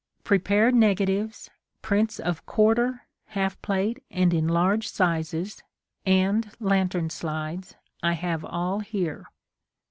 Prepared negatives, prints of quarter, half plate, and enlarged sizes, and lantern slides, I have all here.